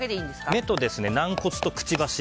目と軟骨とくちばし。